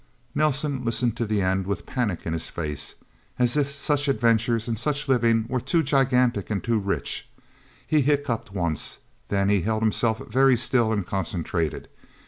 Nelsen listened to the end, with panic in his face as if such adventures and such living were too gigantic and too rich... He hiccuped once. Then he held himself very still and concentrated.